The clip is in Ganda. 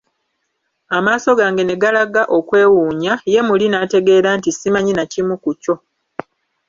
Amaaso gange ne galaga okwewuunya, ye muli n'ategeera nti simanyi na kimu ku kyo.